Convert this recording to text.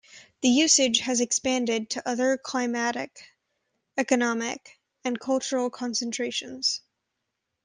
The usage has expanded to other climatic, economic, and cultural concentrations.